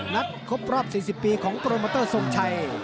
ครบรอบ๔๐ปีของโปรโมเตอร์ทรงชัย